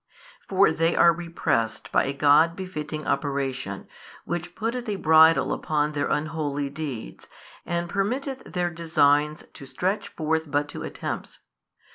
|524 For they are repressed by a God befitting operation, which putteth a bridle upon their unholy deeds, and permitteth their designs to stretch forth but to attempts.